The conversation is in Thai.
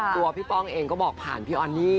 พี่ป้องเองก็บอกผ่านพี่ออนนี่